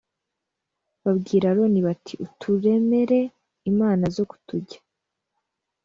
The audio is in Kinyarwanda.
babwira aroni bati uturemere imana zo kutujya